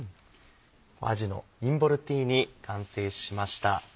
「あじのインボルティーニ」完成しました。